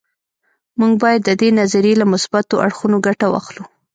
موږ باید د دې نظریې له مثبتو اړخونو ګټه واخلو